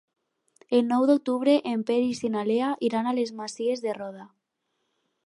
El nou d'octubre en Peris i na Lea iran a les Masies de Roda.